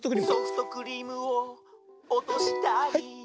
「ソフトクリームをおとしたり」